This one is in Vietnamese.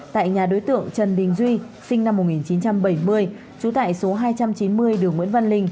tại nhà đối tượng trần đình duy sinh năm một nghìn chín trăm bảy mươi trú tại số hai trăm chín mươi đường nguyễn văn linh